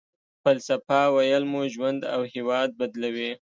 فلسفه ويل مو ژوند او هېواد بدلوي.